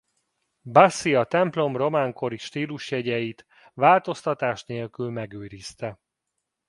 Bassi a templom román kori stílusjegyeit változtatás nélkül megőrizte.